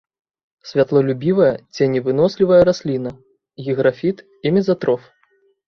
Святлолюбівая, ценевынослівая расліна, гіграфіт і мезатроф.